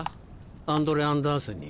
アンドレ・アンダースンに？